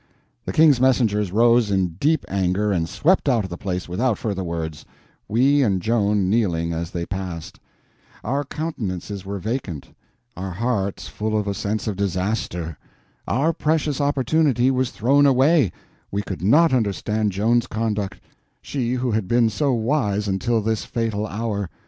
The King's messengers rose in deep anger and swept out of the place without further words, we and Joan kneeling as they passed. Our countenances were vacant, our hearts full of a sense of disaster. Our precious opportunity was thrown away; we could not understand Joan's conduct, she who had been so wise until this fatal hour.